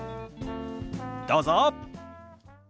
どうぞ。